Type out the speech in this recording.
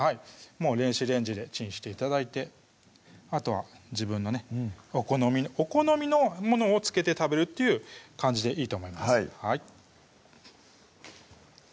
もう電子レンジでチンして頂いてあとは自分のねお好みのお好みのものをつけて食べるっていう感じでいいと思います